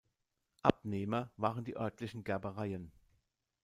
Abnehmer waren die örtlichen Gerbereien.